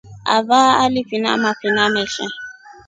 Avaa alifina mafina mesha.